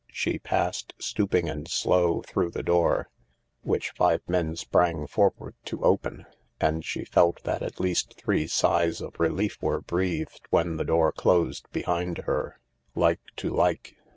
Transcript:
She passed, stooping and slow, through the door, which five men sprang forward to open. And she felt that at least three sighs of relief were breathed when the door closed behind her. like to like.